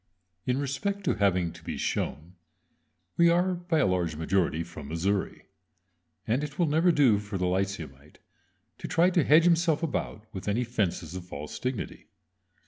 In respect to "having to be shown" we are by a large majority "from Missouri," and it will never do for the lyceumite to try to hedge himself about with any fences of false dignity.